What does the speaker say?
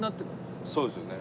そうですよね。